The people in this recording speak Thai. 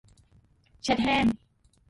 เช็ดแห้ง